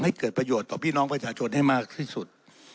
เกิดประโยชน์ต่อพี่น้องประชาชนให้มากที่สุด